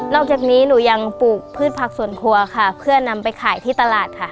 อกจากนี้หนูยังปลูกพืชผักส่วนครัวค่ะเพื่อนำไปขายที่ตลาดค่ะ